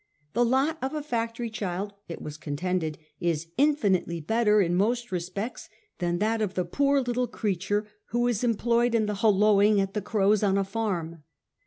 The lot of a factory child, it was con tended, is infinitely better in most respects than that of the poor little creature who is employed in holloa ing at the crows on a farm.